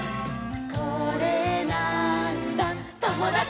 「これなーんだ『ともだち！』」